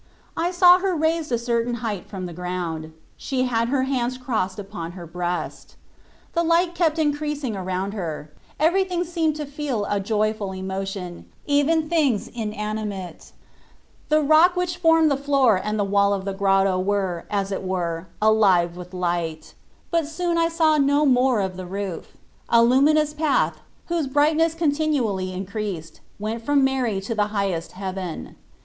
I saw her raised a certain height from the ground ; she had her hands crossed upon her breast. The light kept increasing around 8 4 TOe 1Ratix>ft of her ; everything seemed to feel a joyful emotion, even things inanimate. The rock which formed the floor and the wall of the grotto were, as it were, alive with light. But soon I saw no more of the roof; a luminous path, whose bright ness continually increased, went from Mary to the highest heaven.